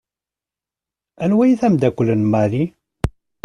Anwa d amdakel n Marie?